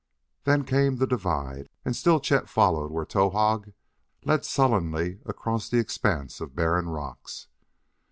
Then came the divide, and still Chet followed where Towahg led sullenly across the expanse of barren rocks.